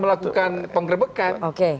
melakukan pengerebekan oke